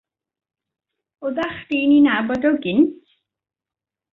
Oddach chdi'n 'i nabod o cynt?